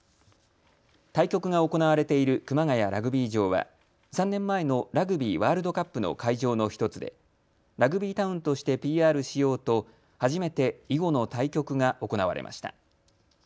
対局が行われている熊谷ラグビー場は３年前のラグビーワールドカップの会場の１つでラグビータウンとしてＰＲしようと、初めて囲碁の対局が行われました。